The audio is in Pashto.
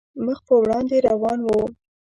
مخ په وړاندې روان وو.